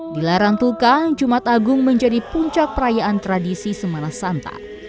dilarang tukang jumat agung menjadi puncak perayaan tradisi semalasanta